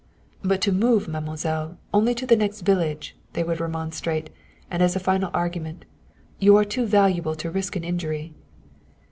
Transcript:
"But to move, mademoiselle, only to the next village!" they would remonstrate, and as a final argument: "You are too valuable to risk an injury."